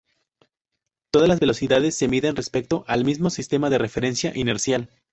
Todas las velocidades se miden respecto al mismo sistema de referencia inercial.